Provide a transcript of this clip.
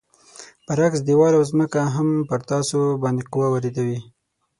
برعکس دیوال او ځمکه هم پر تاسو باندې قوه واردوي.